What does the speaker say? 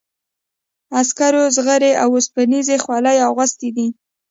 عسکرو زغرې او اوسپنیزې خولۍ اغوستي دي.